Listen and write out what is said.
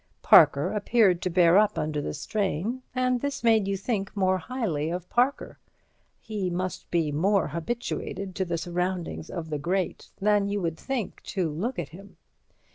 Parker appeared to bear up under the strain, and this made you think more highly of Parker; he must be more habituated to the surroundings of the great than you would think to look at him.